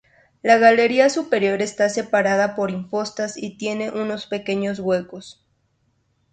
La galería superior está separada por impostas y tiene unos pequeños huecos.